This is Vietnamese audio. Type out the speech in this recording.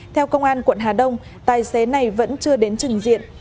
theo công an quận hà đông tài xế này vẫn chưa đến trình diện